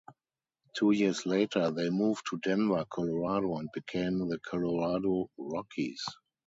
Two years later, they moved to Denver, Colorado, and became the Colorado Rockies.